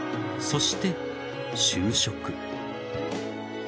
そして、就職。